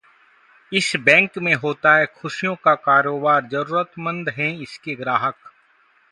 इस बैंक में होता है खुशियों का कारोबार, जरूरतमंद हैं इसके ग्राहक